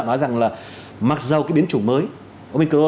nói rằng là mặc dù cái biến chủng mới